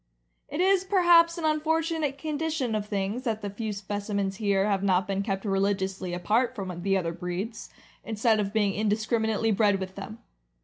It is perhaps an unfortunate condition of things that the few specimens here have not been kept religiously apart from the other breeds, instead of being indiscriminately bred with them.